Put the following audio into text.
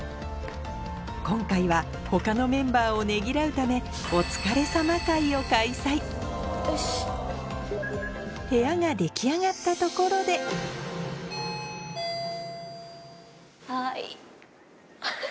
今回は他のメンバーをねぎらうためお疲れ様会を開催部屋が出来上がったところでハハハ！